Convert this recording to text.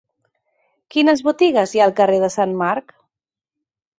Quines botigues hi ha al carrer de Sant Marc?